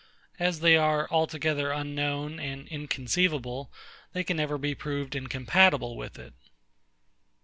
As they are altogether unknown and inconceivable, they can never be proved incompatible with it.